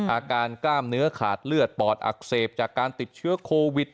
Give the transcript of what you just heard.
กล้ามเนื้อขาดเลือดปอดอักเสบจากการติดเชื้อโควิด